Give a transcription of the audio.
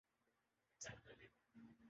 تمہیں لگتا ہے میں تم سے ڈرتا ہوں؟